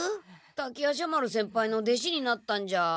滝夜叉丸先輩の弟子になったんじゃ？